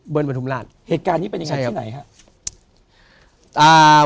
เบิ้ลบันทุมราชเหตุการณ์นี้เป็นอย่างไรที่ไหน